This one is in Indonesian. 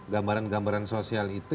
gambaran gambaran sosial itu